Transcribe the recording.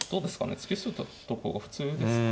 突き捨てたとこが普通ですか。